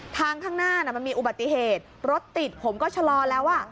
ข้างหน้ามันมีอุบัติเหตุรถติดผมก็ชะลอแล้วอ่ะ